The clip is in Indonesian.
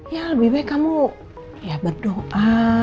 ya lebih baik kamu ya berdoa